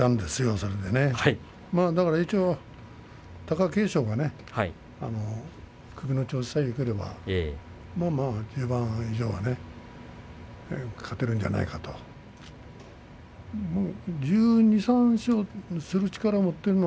それで一応、貴景勝が首の調子さえよければ１０番以上は勝てるんじゃないかと思ってます。